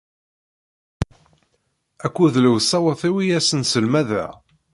Akked lewṣayat-iw i asen-sselmadeɣ.